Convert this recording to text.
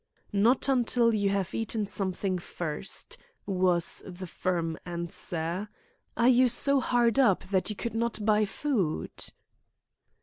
"Not until you have eaten something first," was the firm answer. "Are you so hard up that you could not buy food?"